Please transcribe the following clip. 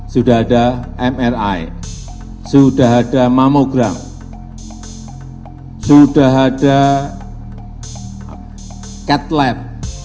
sudah ada mri sudah ada mamograf sudah ada cat lab